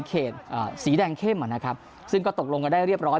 เขตอ่าสีแดงเข้มอ่ะนะครับซึ่งก็ตกลงกันได้เรียบร้อย